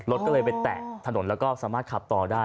รถก็เลยไปแตะถนนแล้วก็สามารถขับต่อได้